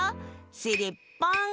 しりっぽん！